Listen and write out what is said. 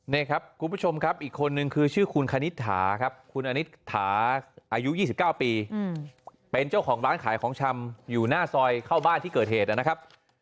นี่ครับคุณผู้ชมครับอีกคนนึงคือชื่อคุณคณิตถาครับคุณอนิษฐาอายุ๒๙ปีเป็นเจ้าของร้านขายของชำอยู่หน้าซอยเข้าบ้านที่เกิดเหตุนะครับ